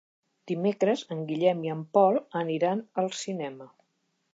Dimecres en Guillem i en Pol aniran al cinema.